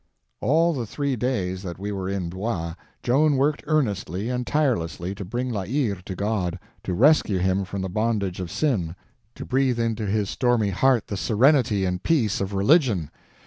All the three days that we were in Blois, Joan worked earnestly and tirelessly to bring La Hire to God—to rescue him from the bondage of sin—to breathe into his stormy heart the serenity and peace of religion.